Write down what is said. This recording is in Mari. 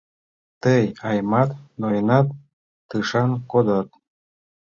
— Тый, Аймат, ноенат, тышан кодат!